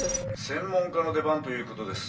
「専門家の出番ということです。